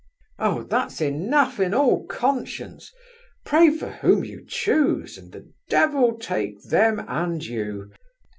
"Oh! that's enough in all conscience! Pray for whom you choose, and the devil take them and you!